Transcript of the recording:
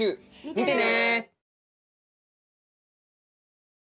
見てね！